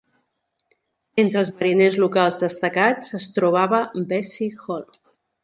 Entre els mariners locals destacats es trobava Bessie Hall.